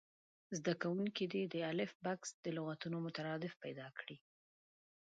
زده کوونکي دې د الف بکس د لغتونو مترادف پیدا کړي.